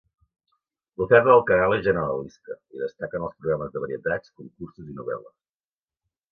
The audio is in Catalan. L'oferta del canal és generalista, i destaquen els programes de varietats, concursos i novel·les.